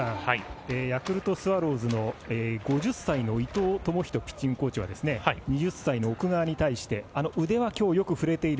ヤクルトスワローズの５０歳の伊藤智仁ピッチングコーチは２０歳の奥川に対して腕はきょうよく振れている。